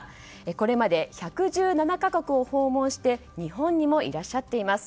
これまで１１７か国を訪問して日本にもいらっしゃっています。